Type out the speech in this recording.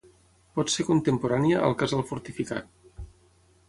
Pot ser contemporània al casal fortificat.